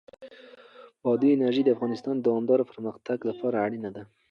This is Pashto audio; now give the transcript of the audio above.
بادي انرژي د افغانستان د دوامداره پرمختګ لپاره اړین دي.